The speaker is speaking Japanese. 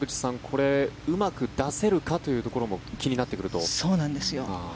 これ、うまく出せるかというところもそうなんですよ。